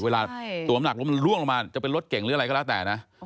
เวลาตัวน้ำหนักแล้วมันล่วงลงมาจะเป็นรถเก่งหรืออะไรก็แล้วแต่นะ